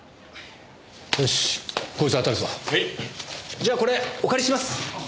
じゃあこれお借りします。